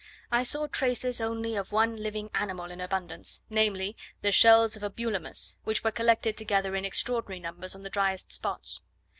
I saw traces only of one living animal in abundance, namely, the shells of a Bulimus, which were collected together in extraordinary numbers on the driest spots.